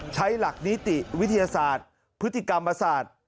ใช้หลักนิติวิทยาศาสตร์พฤติกรรมศาสตร์